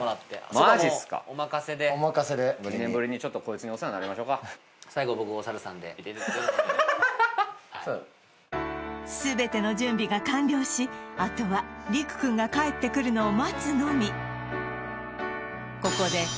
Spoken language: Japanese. そこはもうお任せで全ての準備が完了しあとはリク君が帰ってくるのを待つのみ